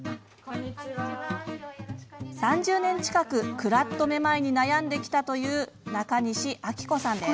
３０年近くクラッとめまいに悩んできたという中西暁子さんです。